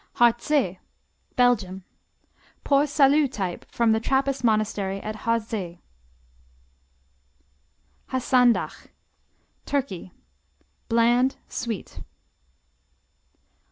Harzé Belgium Port Salut type from the Trappist monastery at Harzé. Hasandach Turkey Bland; sweet.